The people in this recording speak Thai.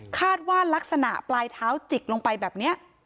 ลักษณะปลายเท้าจิกลงไปแบบนี้